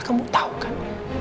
kamu tahu kan